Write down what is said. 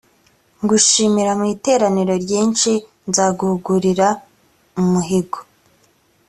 ngushimira mu iteraniro ryinshi nzaguhigurira umuhigo